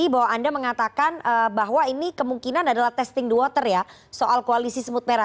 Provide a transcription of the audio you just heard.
bahwa ini kemungkinan adalah testing the water ya soal koalisi semut merah